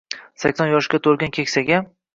sakson yoshga to‘lgan keksaga